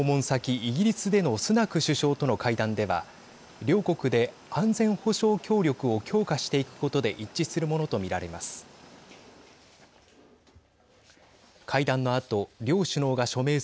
イギリスでのスナク首相との会談では両国で安全保障協力を強化していくことで一致するものと見られます。